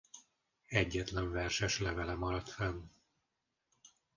Egyetlen verses levele maradt fenn.